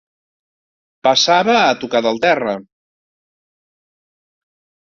Passava a tocar del terra.